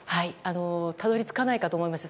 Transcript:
たどり着かないかと思いました。